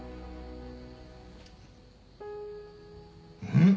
うん？